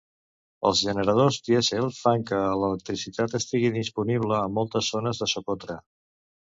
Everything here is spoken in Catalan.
Els generadors dièsel fan que l'electricitat estigui disponible a moltes zones de Socotra.